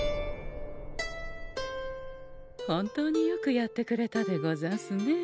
本当によくやってくれたでござんすね。